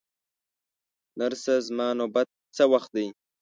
نرسه، زما نوبت څه وخت دی؟